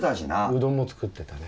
うどんもつくってたね。